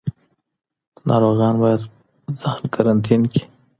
ناروغان باید ځان قرنطین کړي.